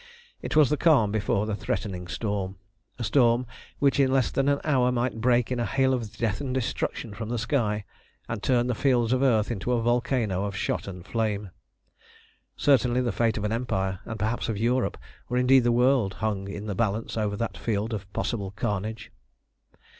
It was the calm before the threatening storm, a storm which in less than an hour might break in a hail of death and destruction from the sky, and turn the fields of earth into a volcano of shot and flame. Certainly the fate of an empire, and perhaps of Europe, or indeed the world, hung in the balance over that field of possible carnage.